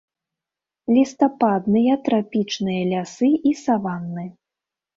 Лістападныя трапічныя лясы і саванны.